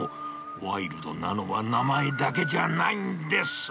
ワイルドなのは名前だけじゃないんです。